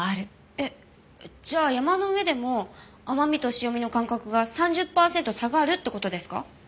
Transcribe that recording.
えっじゃあ山の上でも甘味と塩味の感覚が３０パーセント下がるって事ですか？